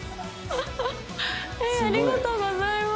ありがとうございます。